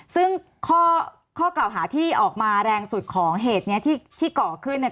ซึ่งข้อกล่าวหาที่ออกมาแรงสุดของเหตุนี้ที่ก่อขึ้นเนี่ย